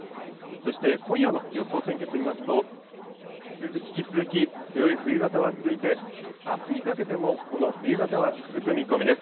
そして今夜の予想天気図見ますと、引き続き強い冬型は続いて、あすにかけてもこの冬型は続く見込みです。